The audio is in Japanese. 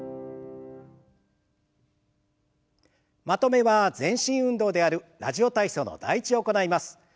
まとめは全身運動である「ラジオ体操」の「第１」を行います。